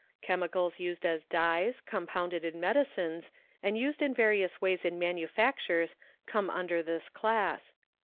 Chemicals used as dyes, compounded in medicines, and used in various ways in manufactures come under this class.